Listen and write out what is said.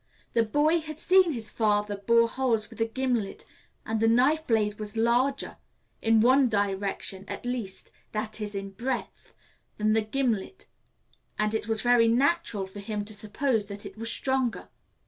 The boy had seen his father bore holes with a gimlet, and the knife blade was larger in one direction at least, that is, in breadth than the gimlet, and it was very natural for him to suppose that it was stronger.